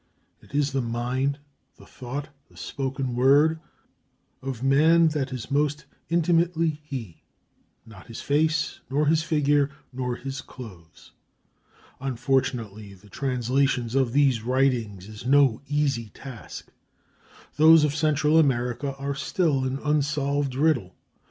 It is the mind, the thought, the spoken word, of man that is most intimately he; not his face, nor his figure, nor his clothes. Unfortunately, the translation of these writings is no easy task. Those of Central America are still an unsolved riddle.